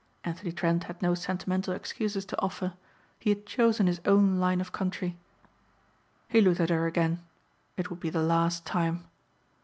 Anthony Trent had no sentimental excuses to offer. He had chosen his own line of country. He looked at her again. It would be the last time.